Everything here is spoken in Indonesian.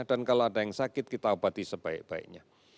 dan kalau ada yang sakit kita obati sebaik baiknya